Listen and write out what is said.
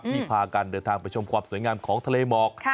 พากันเดินทางไปชมความสวยงามของทะเลหมอก